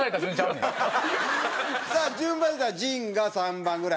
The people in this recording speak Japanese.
さあ順番で言うたら陣が３番ぐらい。